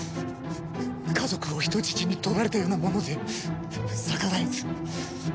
家族を人質にとられたようなもので逆らえず。